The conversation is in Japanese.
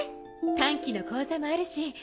短期の講座もあるし